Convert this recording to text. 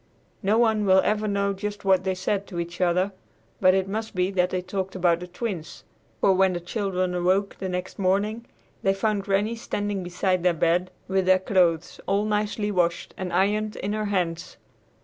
No one will ever know just what they said to each other, but it must be that they talked about the Twins, for when the children awoke the next morning, they found Granny standing beside their bed with their clothes all nicely washed and ironed in her hands.